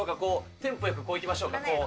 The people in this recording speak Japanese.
テンポよく、こういきましょうか。